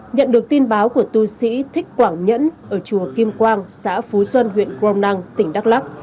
nhận được tin báo của tu sĩ thích quảng nhẫn ở chùa kim quang xã phú xuân huyện grom năng tỉnh đắk lắc